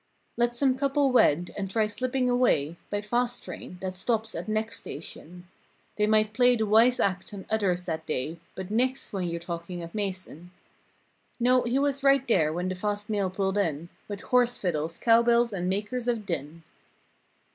Let some couple wed and try slipping away By fast train, that stops at next station; They might play the wise act on others that day But nix, when you're talking of Mason. No, he was right there when the fast mail pulled in. With horse fiddles, cow bells and makers of din.